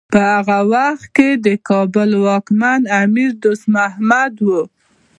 په هغه وخت کې د کابل واکمن امیر دوست محمد و.